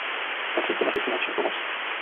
Patří k tomu i finanční pomoc.